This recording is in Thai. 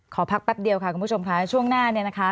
ขอพักแป๊บเดียวค่ะคุณผู้ชมค่ะช่วงหน้าเนี่ยนะคะ